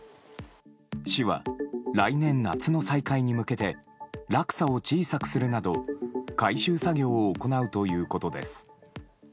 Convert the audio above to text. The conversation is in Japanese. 市は来年夏の再開に向けて落差を小さくするなど改修作業を行うということです。